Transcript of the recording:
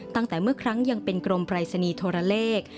ตั้งแต่เมื่อครั้งยังเป็นกรมปรายศนีย์โทรเลข